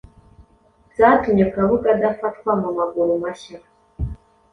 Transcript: zatumye Kabuga adafatwa mu maguru mashya